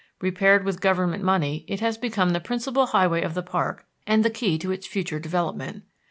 Repaired with government money it has become the principal highway of the park and the key to its future development.